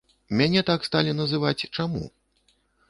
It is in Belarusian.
Мяне так сталі называць чаму?